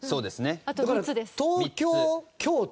だから、東京、京都。